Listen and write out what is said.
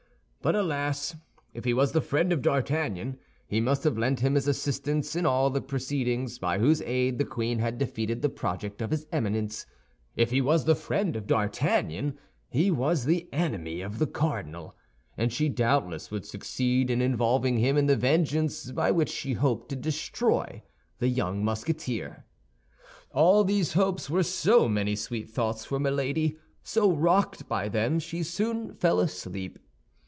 But alas, if he was the friend of D'Artagnan, he must have lent him his assistance in all the proceedings by whose aid the queen had defeated the project of his Eminence; if he was the friend of D'Artagnan, he was the enemy of the cardinal; and she doubtless would succeed in involving him in the vengeance by which she hoped to destroy the young Musketeer. All these hopes were so many sweet thoughts for Milady; so, rocked by them, she soon fell asleep.